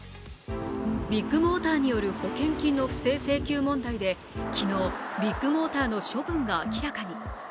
ビッグモーターによる保険金の不正請求問題で昨日、ビッグモーターの処分が明らかに。